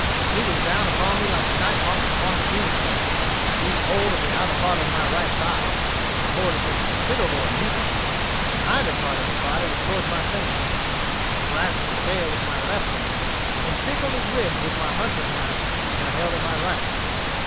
He was down upon me like a night hawk upon a June bug. He seized hold of the outer part of my right thigh, which afforded him considerable amusement; the hinder part of his body was towards my face; I grasped his tail with my left hand, and tickled his ribs with my haunting knife, which I held in my right.